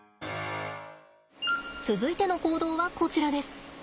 続いての行動はこちらです。